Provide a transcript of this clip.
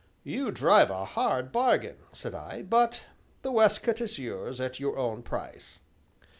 "You drive a hard bargain," said I, "but the waistcoat is yours at your own price."